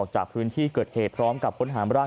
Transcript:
จากพื้นที่เกิดเหตุพร้อมกับค้นหามร่าง